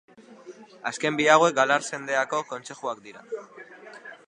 Azken bi hauek Galar Zendeako kontzejuak dira.